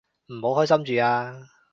唔好開心住啊